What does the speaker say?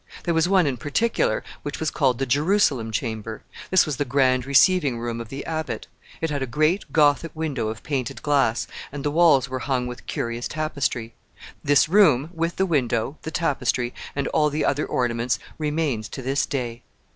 There was one in particular, which was called the Jerusalem chamber. This was the grand receiving room of the abbot. It had a great Gothic window of painted glass, and the walls were hung with curious tapestry. This room, with the window, the tapestry, and all the other ornaments, remains to this day.